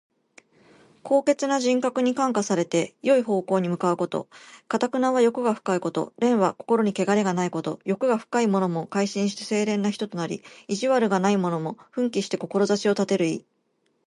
高潔な人格に感化されて、よい方向に向かうこと。「頑」は欲が深いこと。「廉」は心にけがれがないこと。欲が深いものも改心して清廉な人となり、意気地がないものも奮起して志を立てる意。